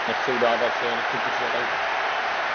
Studoval školy v Opavě a ve Vídni.